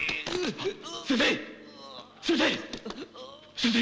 先生！